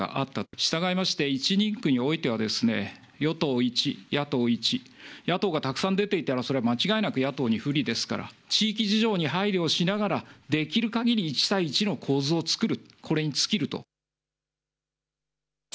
したがいまして、１人区においては、与党１、野党１、野党がたくさん出ていたら、それは間違いなく野党に不利ですから、地域事情に配慮をしながら、できるかぎり１対１の構図をつくる、これに尽きると。